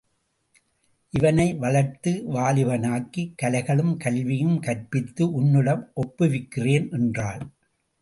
இவனை வளர்த்து வாலிபன் ஆக்கிக் கலைகளும் கல்வியும் கற்பித்து உன்னிடம் ஒப்புவிக்கிறேன் என்றாள்.